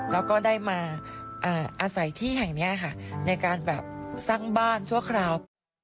แล้วก็ได้มาอาศัยที่แห่งนี้ค่ะในการแบบสร้างบ้านชั่วคราว